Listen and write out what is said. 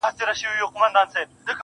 ته ټيک هغه یې خو اروا دي آتشي چیري ده؟